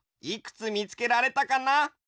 いくつみつけられたかな？